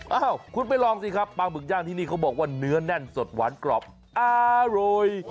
เอ้าคุณไปลองสิครับปลาหมึกย่างที่นี่เขาบอกว่าเนื้อแน่นสดหวานกรอบอร่อย